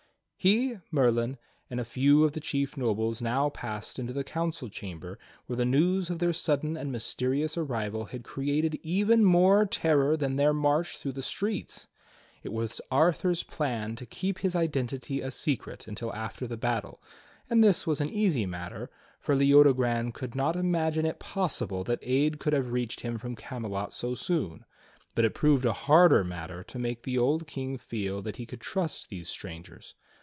He, Merlin, and a few of the chief nobles now passed into the council chamber where the news of their sudden and mysterious arrival had created even more terror than their march through the streets. It was Arthur's plan to keep his identity a secret until after the battle, and this was an easy matter, for Leodogran could not imagine it possible that aid could have reached him from Camelot so soon; but it proved a harder matter to make the old King feel that he could trust these strangers.